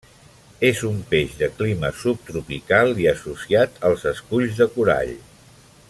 És un peix de clima subtropical i associat als esculls de corall.